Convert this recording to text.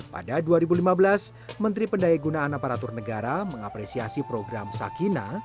pada dua ribu lima belas menteri pendaya gunaan aparatur negara mengapresiasi program sakina